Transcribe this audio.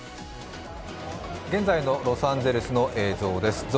現在のロサンゼルスの映像です。